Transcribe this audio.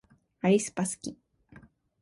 aespa すき